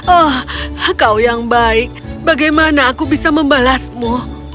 oh kau yang baik bagaimana aku bisa membalasmu